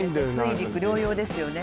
水陸両用ですよね